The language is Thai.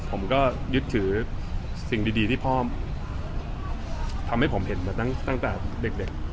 ผมก็ยึดถือสิ่งดีที่พ่อทำให้ผมเห็นมาตั้งแต่เด็ก